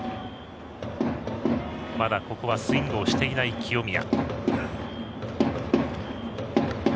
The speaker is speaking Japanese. まだここはスイングをしていない清宮。